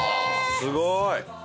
すごい！